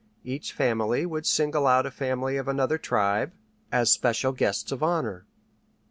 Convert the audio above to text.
Each family would single out a family of another tribe as special guests of honor.